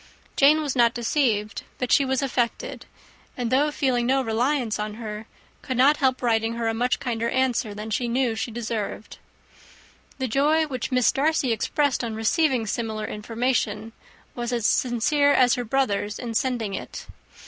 Jane was not deceived, but she was affected; and though feeling no reliance on her, could not help writing her a much kinder answer than she knew was deserved. The joy which Miss Darcy expressed on receiving similar information was as sincere as her brother's in sending it.